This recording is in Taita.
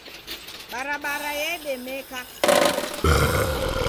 Barabara yedemeka.